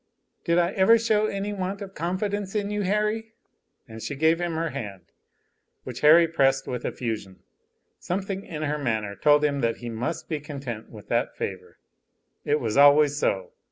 "Did I ever show any want of confidence in you, Harry?" And she gave him her hand, which Harry pressed with effusion something in her manner told him that he must be content with that favor. It was always so.